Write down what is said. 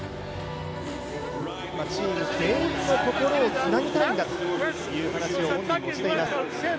チーム全員の心をつなぎたいんだという話を本人もしています。